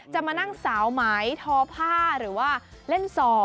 จะมานั่งสาวไหมทอผ้าหรือว่าเล่นซอ